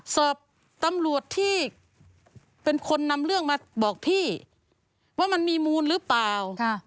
สอบตำรวจที่เป็นคนนำเรื่องมาบอกพี่ว่ามันมีมูลหรือเปล่า